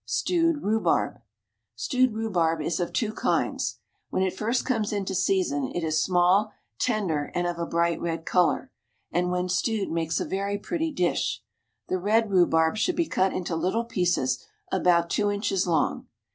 STEWED RHUBARB. Stewed rhubarb is of two kinds. When it first comes into season it is small, tender, and of a bright red colour, and when stewed makes a very pretty dish. The red rhubarb should be cut into little pieces about two inches long.